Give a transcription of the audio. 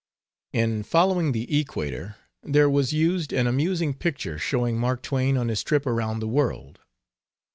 In Following the Equator there was used an amusing picture showing Mark Twain on his trip around the world.